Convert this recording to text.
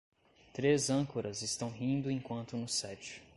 Três âncoras estão rindo enquanto no set.